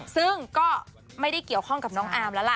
ซึ่งก็ไม่ได้เกี่ยวข้องกับน้องอามแล้วล่ะ